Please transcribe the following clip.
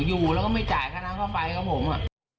อยู่แล้วก็ไม่จ่ายแค่น้ำไฟของผม